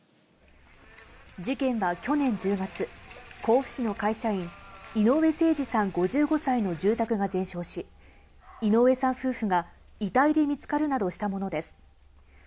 事件は去年１０月、甲府市の会社員、井上盛司さん５５歳の住宅が全焼し、井上さん夫婦が遺体で見つかるなどしたものです。